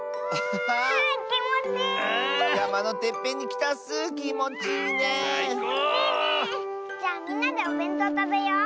きもちいいね。じゃあみんなでおべんとうたべよう。